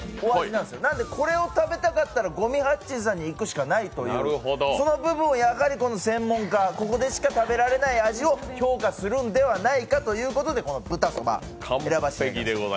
なんでこれを食べたかったら五味八珍さんに行くしかないというその部分をやはり専門家、ここでしか食べられない味を評価するのではないかということで、この豚そば。